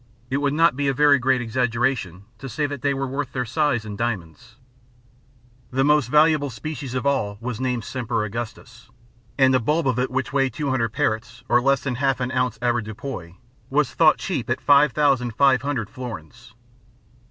It would not be a very great exaggeration to say that they were worth their size in diamonds. The most valuable species of all was named "Semper Augustus," and a bulb of it which weighed 200 perits, or less than half an ounce avoirdupois, was thought cheap at 5,500 florins.